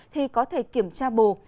thì có thể kiểm tra bù